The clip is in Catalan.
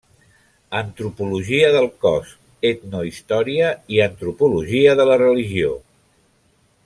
Antropologia del Cos, Etnohistòria i Antropologia de la Religió.